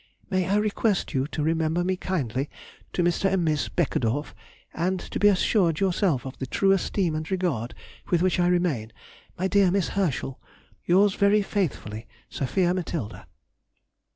May I request you to remember me kindly to Mr. and to Miss Beckedorff, and to be assured yourself of the true esteem and regard with which I remain, my dear Miss Herschel, Yours very faithfully, SOPHIA MATILDA.